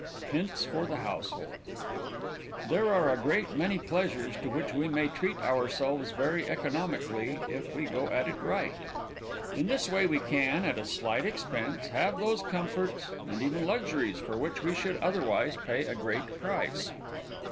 HINTS FOR THE HOUSEHOLD IV There are a great many pleasures to which we may treat ourselves very economically if we go at it right. In this way we can, at a slight expense, have those comforts, and even luxuries, for which we should otherwise pay a great price.